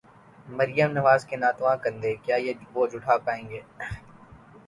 مریم نواز کے ناتواں کندھے، کیا یہ بوجھ اٹھا پائیں گے؟